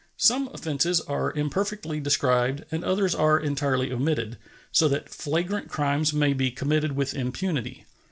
Some offenses are imperfectly described and others are entirely omitted, so that flagrant crimes may be committed with impunity.